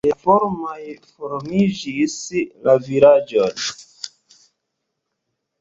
El la farmoj formiĝis la vilaĝo.